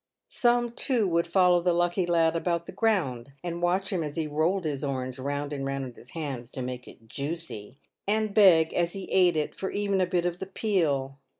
Some, too, would follow the lucky lad about the ground, and watch him as he rolled his orange round and round in his hands "to make it juicy," and beg, as he ate it, for even a bit of the peel.